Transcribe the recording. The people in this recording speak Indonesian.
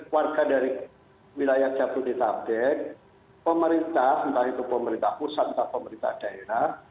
warga dari wilayah jatuh ditabek pemerintah entah itu pemerintah pusat pemerintah daerah